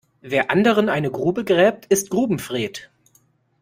Wer anderen eine Grube gräbt, ist Grubenfred.